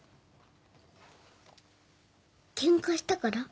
ケンカしたから？